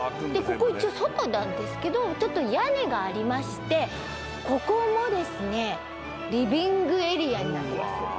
ここ一応外なんですけど屋根がありましてここもですねリビングエリアになってます。